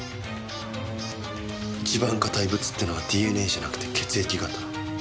一番固いブツってのはＤＮＡじゃなくて血液型。